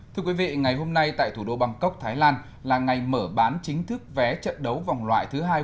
thưa quý vị ngày hôm nay tại thủ đô bangkok thái lan là ngày mở bán chính thức vé trận đấu vòng loại thứ hai